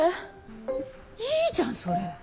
いいじゃんそれ。